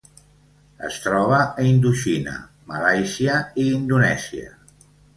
Es troba a Indoxina, Malàisia i Indonèsia.